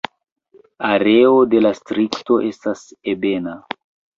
Areo de la distrikto estas ebena.